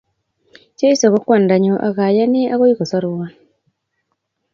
Jeiso ko kwandanyu ak ayani ale akoi kosorwon